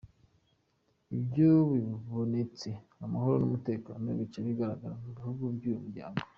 Ivyo bibonetse amahoro n'umutekano bica bisasagara mu bihugu vy'uwu muryango".